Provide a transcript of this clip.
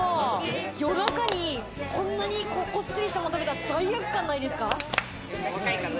夜中に、こんなにこってりしたもの食べたら罪悪感ないですか？